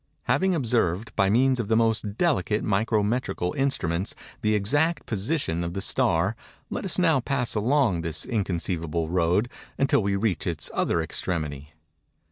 Having observed, by means of the most delicate micrometrical instruments, the exact position of the star, let us now pass along this inconceivable road, until we reach its other extremity.